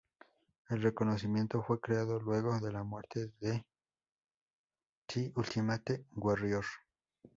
El reconocimiento fue creado luego de la muerte de The Ultimate Warrior.